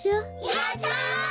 やった！